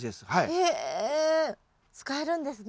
へえ使えるんですね